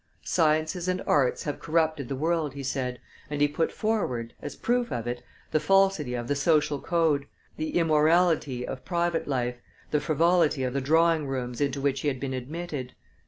"Sciences and arts have corrupted the world," he said, and he put forward, as proof of it, the falsity of the social code, the immorality of private life, the frivolity of the drawing rooms into which he had been admitted.